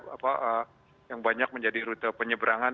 apa yang banyak menjadi rute penyeberangan